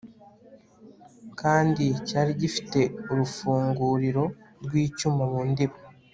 kandi cyari gifite urufunguriro rw'icyuma mu ndiba